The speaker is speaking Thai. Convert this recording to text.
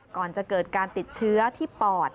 ก่อนจะเกิดการติดเชื้อที่ปอด